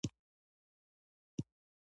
زردالو د افغانستان په طبیعت کې مهم رول لري.